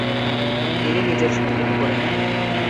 তিনি নিজের সঙ্গিনী করে নেন।